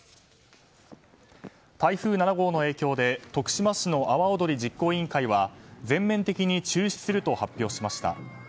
台風７号の影響で徳島市の阿波おどり実行委員会は全面的に中止すると発表しました。